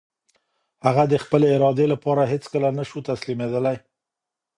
هغه د خپلې ارادې لپاره هېڅکله نه شو تسليمېدلی.